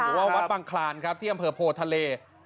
หรือว่าวัดบังคลานที่อำเภอโพธิ์ทะเล